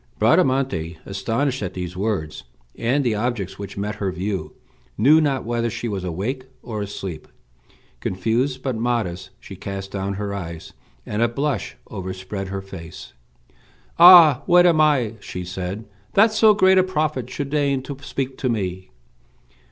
Bradamante, astonished at these words, and the objects which met her view, knew not whether she was awake or asleep. Confused, but modest, she cast down her eyes, and a blush overspread her face. "Ah, what am I," said she, "that so great a prophet should deign to speak to me!"